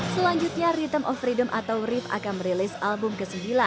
selanjutnya returm of freedom atau rif akan merilis album ke sembilan